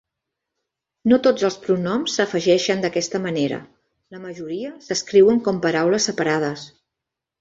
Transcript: No tots els pronoms s'afegeixen d'aquesta manera; la majoria s'escriuen com paraules separades.